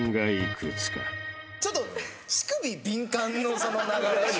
ちょっと「乳首」「敏感」のその流れ。